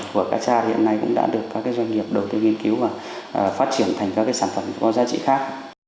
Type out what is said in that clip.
và cá cha hiện nay cũng đã được các cái doanh nghiệp đầu tư nghiên cứu và phát triển thành các cái sản phẩm có giá trị khác